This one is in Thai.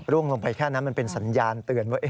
ลงไปแค่นั้นมันเป็นสัญญาณเตือนว่า